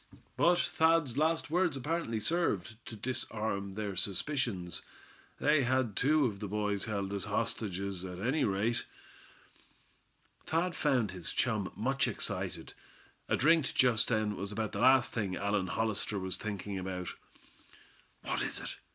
But Thad's last words apparently served to disarm their suspicions. They had two of the boys held as hostages, at any rate. Thad found his chum much excited. A drink just then was about the last thing Allan Hollister was thinking about. "What is it?"